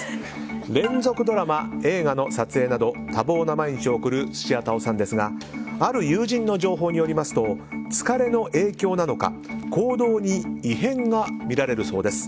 連続ドラマ、映画の撮影など多忙な毎日を送る土屋太鳳さんですがある友人の情報によりますと疲れの影響なのか行動に異変が見られるそうです。